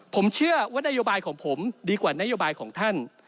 ผมเชื่อว่านโยบายของผมดีกว่านโยบายของท่าน